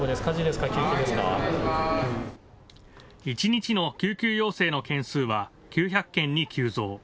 一日の救急要請の件数は９００件に急増。